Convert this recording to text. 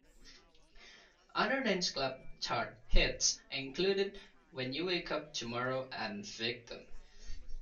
Other Dance club chart hits included "When You Wake Up Tomorrow" and "Victim".